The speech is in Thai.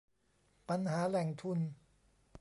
ปัญหาแหล่งทุน